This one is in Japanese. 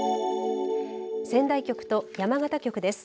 仙台局と山形局です。